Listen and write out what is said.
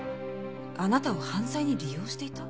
あなたを犯罪に利用していた？